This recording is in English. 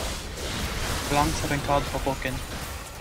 Blawnox had been called Hoboken.